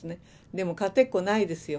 でも勝てっこないですよ。